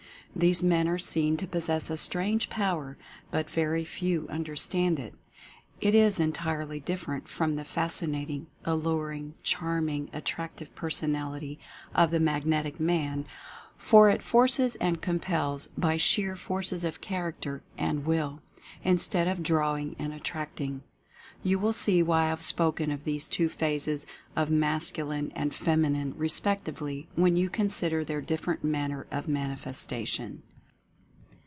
These men are seen to possess a strange power, but very few understand it. It is entirely different from the fascinating, alluring, charming, at tractive personality of the "Magnetic" man, for it Establishing a Mentative Centre 179 forces, and compels by sheer force of character and Will, instead of drawing and attracting. You will see why I have spoken of these two phases as Mascu line and Feminine respectively when you consider their different manner of manifestation.